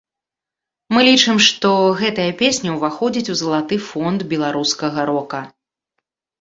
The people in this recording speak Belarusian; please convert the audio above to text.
Мы лічым, што гэтая песня ўваходзіць у залаты фонд беларускага рока.